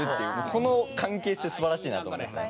この関係性素晴らしいなと思いますね